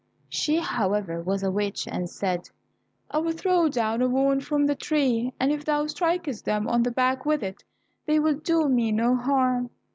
She, however, was a witch, and said, "I will throw down a wand from the tree, and if thou strikest them on the back with it, they will do me no harm."